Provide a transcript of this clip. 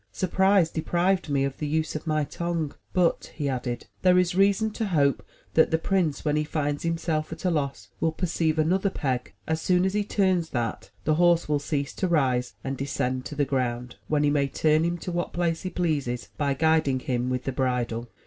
Surprise deprived me of the use of my tongue. But,'* he added, "there is reason to hope that the prince when he finds himself at a loss, will per ceive another peg; as soon as he turns that the horse will cease to rise, and descend to the ground, when he may turn him to what place he pleases by guiding him with the bridle.'